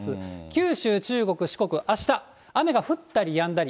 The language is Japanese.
九州、中国、四国、あした、雨が降ったりやんだり。